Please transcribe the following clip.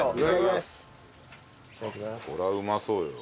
これはうまそうよ。